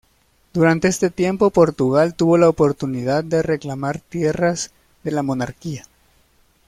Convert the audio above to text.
Durante este tiempo Portugal tuvo la oportunidad de reclamar tierras de la monarquía.